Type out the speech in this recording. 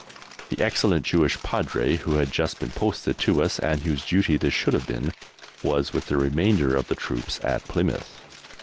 The excellent Jewish Padre who had just been posted to us, and whose duty this should have been, was with the remainder of the troops at Plymouth.